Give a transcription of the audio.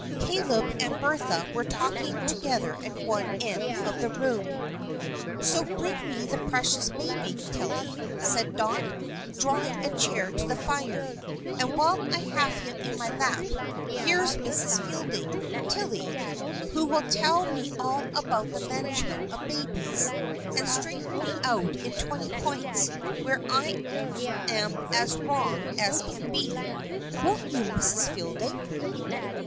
Caleb and Bertha were talking together at one end of the room. "So bring me the precious baby, Tilly," said Dot, drawing a chair to the fire; "and while I have him in my lap, here's Mrs. Fielding, Tilly, who will tell me all about the management of babies, and straighten me out in twenty points where I'm as wrong as can be. Won't you, Mrs. Fielding?"